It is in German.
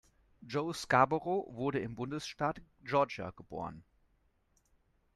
Joe Scarborough wurde im Bundesstaat Georgia geboren.